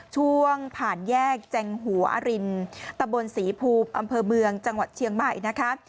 ช่วงผ่านแยกแจงหัวอรินตะบนศรีภูมิอำเภอเมืองจังหวัดเชียงใหม่นะคะ